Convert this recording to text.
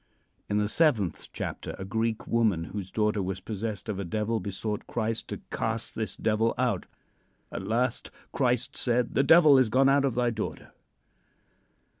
In the seventh chapter a Greek woman whose daughter was possessed by a devil besought Christ to cast this devil out. At last Christ said: "The devil is gone out of thy daughter."